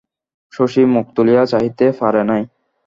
শশী মুখ তুলিয়া চাহিতে পারে নাই।